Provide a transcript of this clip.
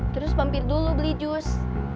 terus mampir dulu beli jus